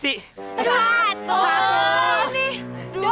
satu dua tiga